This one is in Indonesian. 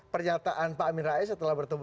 pernyataan pak amin rais setelah bertemu